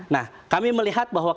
nah kami melihat bahwa